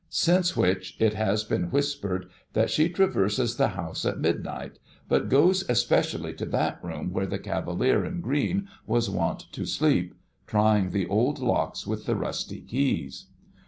Since which, it has been whispered that she traverses the house at midnight (but goes especially to that room where the cavalier in green was wont to sleep), trying the old locks with the rusty keys.